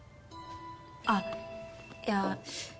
あっいや。